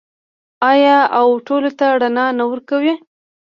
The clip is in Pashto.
آیا او ټولو ته رڼا نه ورکوي؟